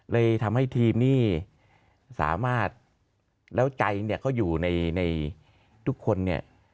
เลยทำให้ทีมนี่สามารถแล้วใจเนี่ยเขาอยู่ในทุกคนเนี่ย